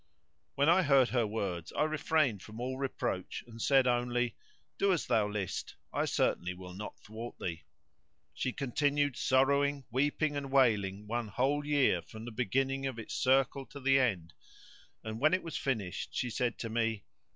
When I heard her words I refrained from all reproach and said only:—Do as thou list; I certainly will not thwart thee. She continued sorrowing, weeping and wailing one whole year from the beginning of its circle to the end, and when it was finished she said to me.